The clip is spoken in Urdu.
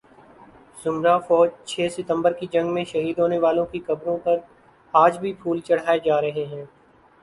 ذمرہ فوج چھ ستمبر کی جنگ میں شہید ہونے والوں کی قبروں پر آج بھی پھول چڑھائے جا رہے ہیں